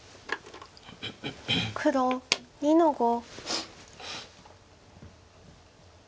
黒２の五。